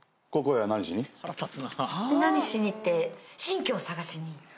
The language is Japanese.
何しにって新居を探しに。